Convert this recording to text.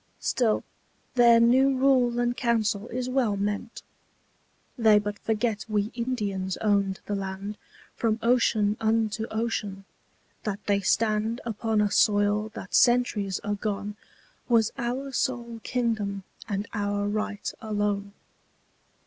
Still their new rule and council is well meant. They but forget we Indians owned the land From ocean unto ocean; that they stand Upon a soil that centuries agone Was our sole kingdom and our right alone.